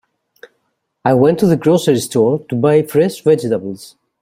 I went to the grocery store to buy fresh vegetables.